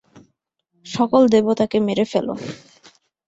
সকল দেবতাকে মেরে ফেলো।